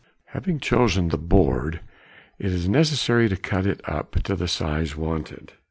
] Having chosen the board, it is necessary to cut it up to the size wanted.